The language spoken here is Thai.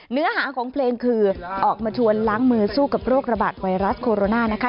เนื้อหาของเพลงคือออกมาชวนล้างมือสู้กับโรคระบาดไวรัสโคโรนานะคะ